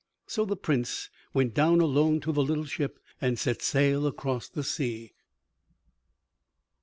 So the Prince went down alone to the little ship and set sail across the sea.